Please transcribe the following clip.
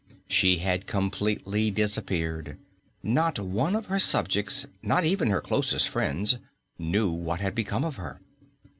She had completely disappeared. Not one of her subjects not even her closest friends knew what had become of her.